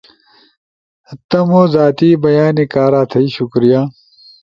ئی تمو زاتی بیانی کارا تھئی شکریہ